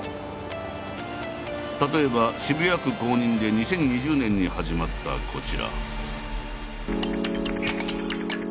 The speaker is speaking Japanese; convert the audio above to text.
例えば渋谷区公認で２０２０年に始まったこちら。